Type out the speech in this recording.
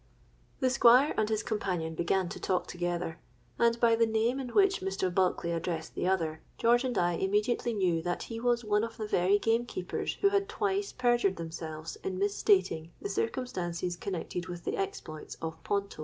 "The Squire and his companion began to talk together; and by the name in which Mr. Bulkeley addressed the other, George and I immediately knew that he was one of the very gamekeepers who had twice perjured themselves in mis stating the circumstances connected with the exploits of Ponto.